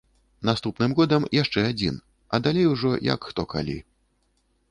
Наступным годам яшчэ адзін, а далей ужо як хто калі.